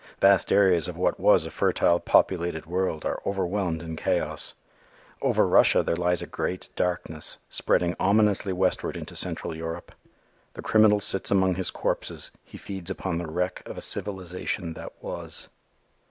Vast areas of what was a fertile populated world are overwhelmed in chaos. Over Russia there lies a great darkness, spreading ominously westward into Central Europe. The criminal sits among his corpses. He feeds upon the wreck of a civilization that was.